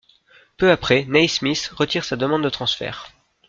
Peu après, Naismith retire sa demande de transfert.